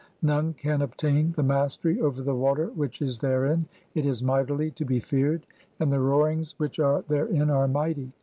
None "can obtain the mastery over the water which is therein. (3) It "is mightily to be feared, and the roarings which are therein "are mighty.